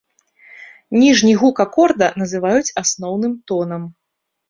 Ніжні гука акорда называюць асноўным тонам.